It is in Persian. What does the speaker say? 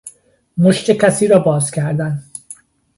مشت کسی را باز کردن